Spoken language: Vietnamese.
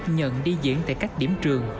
nhận đi diễn tại các điểm trường